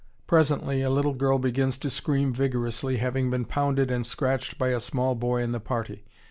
Presently a little girl begins to scream vigorously, having been pounded and scratched by a small boy in the party.